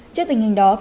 trước tình hình đó